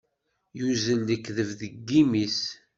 Yuzzel lekdeb deg yimi-s.